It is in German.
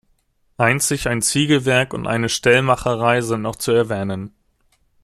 Einzig ein Ziegelwerk und eine Stellmacherei sind noch zu erwähnen.